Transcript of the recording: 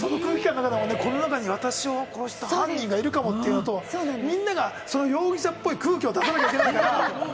この中に私を殺した犯人がいるかもって思うと、みんなが容疑者っぽい空気を出さなきゃいけないから。